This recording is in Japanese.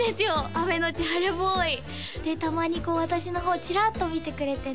「雨のち晴れＢｏｙ」でたまに私の方チラッと見てくれてね